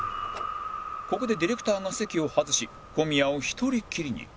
ここでディレクターが席を外し小宮を１人きりに